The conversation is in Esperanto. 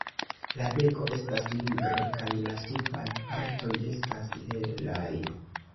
La beko estas nigra kaj la subaj partoj estas helaj.